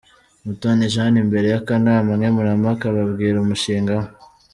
Mutoni Jane imbere y'akanama nkemurampaka ababwira umushinga we.